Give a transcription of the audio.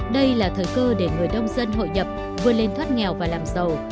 đây là thời cơ để người đông dân hội nhập vừa lên thoát nghèo và làm giàu